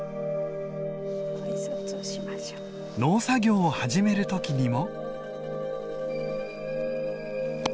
農作業を始める時にも。